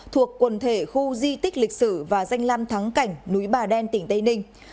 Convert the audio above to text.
thuộc quần thể khu di tích lịch sử và danh lam thắng cảnh núi bà đen tỉnh tây ninh